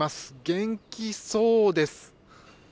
元気そうです。